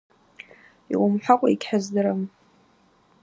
Йуымхӏвакӏва хӏгьразым.